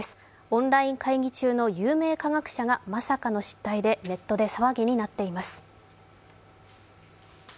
オンライン会議中の有名科学者がまさかの失態でネットで騒ぎになっています。